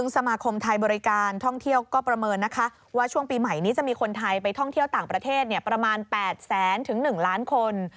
สมาคมไทยบริการท่องเที่ยวก็ประเมินนะคะว่าช่วงปีใหม่นี้จะมีคนไทยไปท่องเที่ยวต่างประเทศประมาณ๘แสนถึง๑ล้านคน